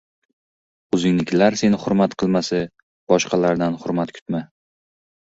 • O‘zingnikilar seni hurmat qilmasa, boshqalardan hurmat kutma.